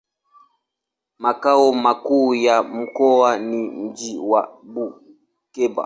Makao makuu ya mkoa ni mji wa Bukoba.